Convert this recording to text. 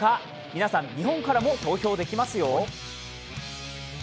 皆さん、日本からも投票できますよ